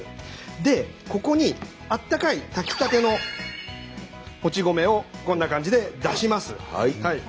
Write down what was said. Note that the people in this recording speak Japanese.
でここにあったかい炊きたてのもち米をこんな感じで出します。